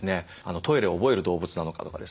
トイレを覚える動物なのかとかですね